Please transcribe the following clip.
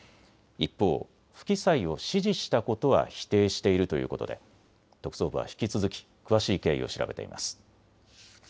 一方、不記載を指示したことは否定しているということで特捜部は引き続き詳しい経緯を調べています。